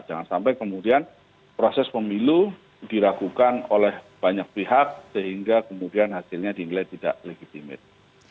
jangan sampai kemudian proses pemilu diragukan oleh banyak pihak sehingga kemudian hasilnya dinilai tidak legitimit